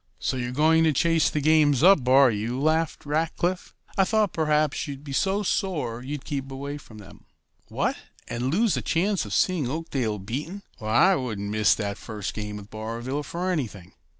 "So you're going to chase the games up, are you?" laughed Rackliff. "I thought perhaps you'd be so sore you'd keep away from them." "What, and lose the chance of seeing Oakdale beaten? Why, I wouldn't miss that first game with Barville for anything."